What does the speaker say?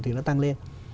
thì nó tăng lên